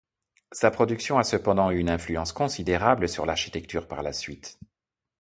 Sa production a cependant eu une influence considérable sur l'architecture par la suite.